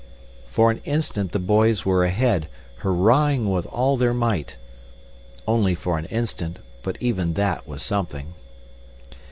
For an instant the boys were ahead, hurrahing with all their might only for an instant, but even THAT was something.